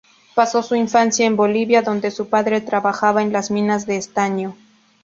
Paso su infancia en Bolivia donde su padre trabajaba en las Minas de Estaño.